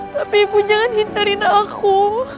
tapi ibu jangan hindari aku